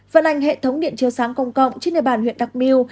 phân ảnh hệ thống điện chiếu sáng công cộng trên địa bàn huyện đắk miu